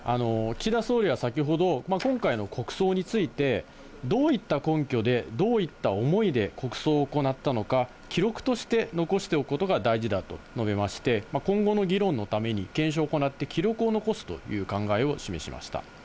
岸田総理は先ほど、今回の国葬について、どういった根拠で、どういった思いで、国葬を行ったのか、記録として残しておくことが大事だと述べまして、今後の議論のために検証を行って、記録を残すという考えを示しました。